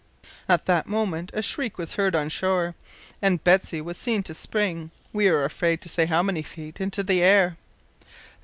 At that moment a shriek was heard on shore, and Betsy was seen to spring, we are afraid to say how many feet, into the air.